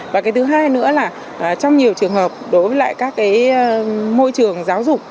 và thứ hai nữa là trong nhiều trường hợp đối với các môi trường giáo dục